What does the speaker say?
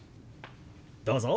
どうぞ。